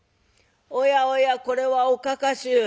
「おやおやこれはおかか衆。